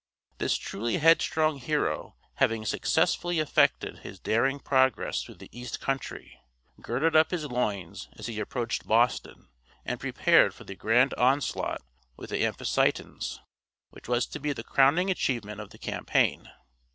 This truly headstrong hero having successfully effected his daring progress through the east country, girded up his loins as he approached Boston, and prepared for the grand onslaught with the Amphictyons, which was to be the crowning achievement of the campaign.